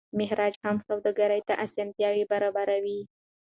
مهاراجا هم سوداګرو ته اسانتیاوي برابروي.